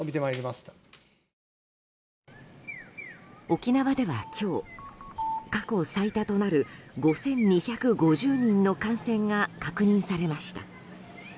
沖縄では今日過去最多となる５２５０人の感染が確認されました。